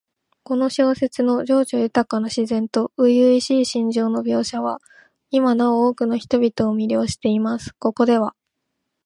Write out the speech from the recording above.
この小説の叙情豊かな自然と初々しい心情の描写は、今なお多くの人々を魅了しています。ここでは、